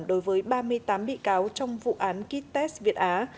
đối với ba mươi tám bị cáo trong vụ án kites việt á